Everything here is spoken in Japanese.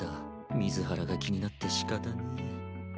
水原が気になってしかたねぇ。